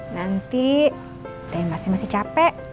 nanti teteh masih masih capek